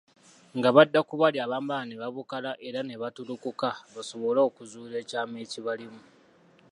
Nga badda ku bali abambala ne babukala era ne battulukuka basobole okuzuula ekyama ekibalimu.